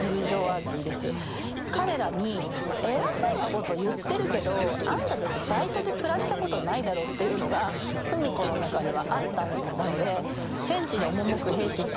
彼らに「偉そうなこと言ってるけどあんたたちバイトで暮らしたことないだろ」っていうのが芙美子の中にはあったので。